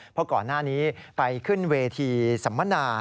เพราะก่อนหน้านี้ไปขึ้นเวทีสัมมนา